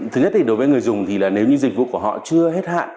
thứ nhất thì đối với người dùng thì là nếu như dịch vụ của họ chưa hết hạn